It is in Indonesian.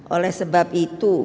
oleh sebab itu